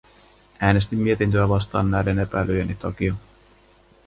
Äänestin mietintöä vastaan näiden epäilyjeni takia.